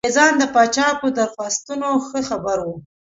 انګرېزان د پاچا په درخواستونو ښه خبر وو.